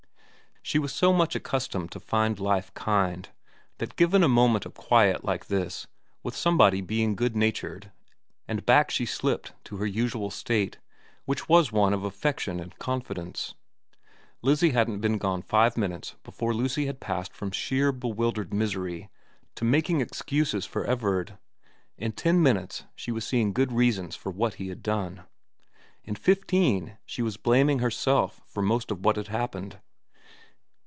She was so much accustomed to find life kind, that 222 VERA given a moment of quiet like this with somebody being good natured and back she slipped to her usual state, which was one of affection and confidence. Lizzie hadn't been gone five minutes before Lucy had passed from sheer bewildered misery to making excuses for Everard ; in ten minutes she was seeing good reasons for what he had done ; in fifteen she was blaming herself for most of what had happened.